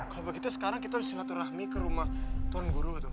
kalau begitu sekarang kita harus ke rumah tuhan guru